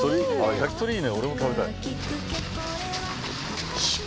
焼き鳥いいね俺も食べたい。